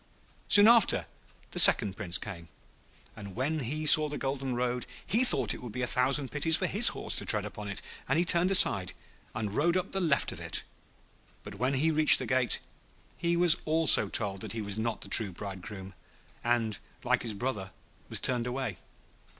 Soon after the second Prince came, and when he saw the golden road he thought it would be a thousand pities for his horse to tread upon it; so he turned aside, and rode up on the left of it. But when he reached the gate he was also told that he was not the true bridegroom, and, like his brother, was turned away.